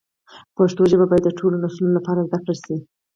پښتو ژبه باید د ټولو نسلونو لپاره زده کړل شي.